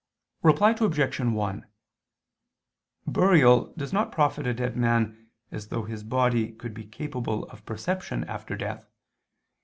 Reply Obj. 1: Burial does not profit a dead man as though his body could be capable of perception after death.